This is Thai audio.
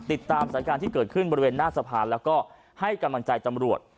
ติดตามสถานการณ์ที่เกิดขึ้นบริเวณหน้าสะพานแล้วก็ให้กำลังใจตำรวจ